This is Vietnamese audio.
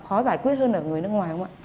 khó giải quyết hơn ở người nước ngoài không ạ